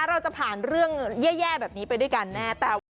เราจะผ่านเรื่องแย่แบบนี้ไปด้วยกันแน่